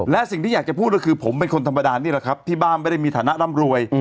และสิ่งที่อยากจะพูดก็คือผมเป็นคนธรรมดานี่แหละครับที่บ้านไม่ได้มีฐานะร่ำรวย